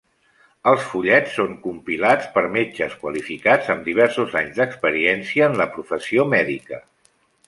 Els fullets són compilats per metges qualificats amb diversos anys d'experiència en la professió mèdica.